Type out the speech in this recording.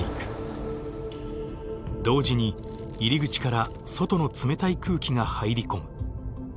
同時に入り口から外の冷たい空気が入り込む。